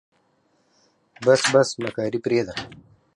بس بس مکاري پرېده.